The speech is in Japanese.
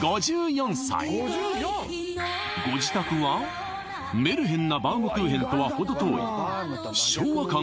５４歳ご自宅はメルヘンなバウムクーヘンとは程遠い昭和感